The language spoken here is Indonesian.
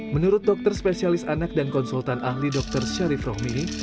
menurut dokter spesialis anak dan konsultan ahli dokter syarif rohmini